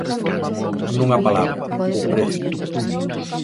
Nunha palabra, o prezo.